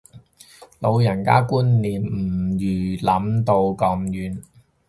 老人家觀念唔預諗到咁遠